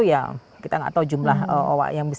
kita tidak tahu jumlah owa yang bisa